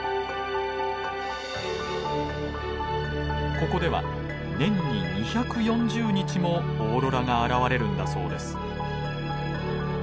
ここでは年に２４０日もオーロラが現れるんだそうです。